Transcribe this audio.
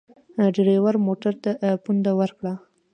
ډریور موټر ته پونده ورکړه.